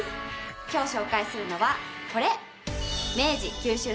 今日紹介するのはこれ。